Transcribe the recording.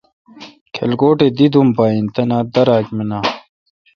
کلکوٹ اے دی دوم پا این۔ تنا تہ داراک مناں۔